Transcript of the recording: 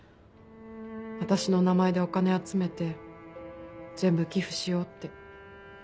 私の名前でお金集めて全部寄付しようって。